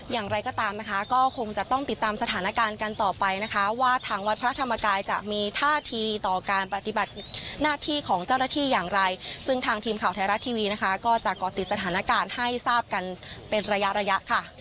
อย่างไรก็ตามนะคะก็คงจะต้องติดตามสถานการณ์กันต่อไปนะคะว่าทางวัดพระธรรมกายจะมีท่าทีต่อการปฏิบัติหน้าที่ของเจ้าหน้าที่อย่างไรซึ่งทางทีมข่าวไทยรัฐทีวีนะคะก็จะก่อติดสถานการณ์ให้ทราบกันเป็นระยะระยะค่ะ